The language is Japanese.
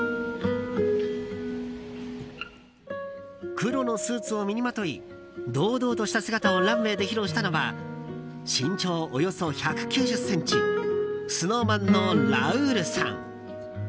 黒のスーツを身にまとい堂々とした姿をランウェーで披露したのは身長およそ１９０ｃｍＳｎｏｗＭａｎのラウールさん。